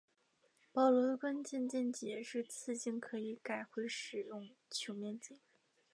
保罗的关键见解是次镜可以改回使用球面镜。